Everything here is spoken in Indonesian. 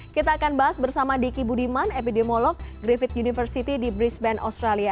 kita akan bahas bersama diki budiman epidemiolog griffith university di brisbane australia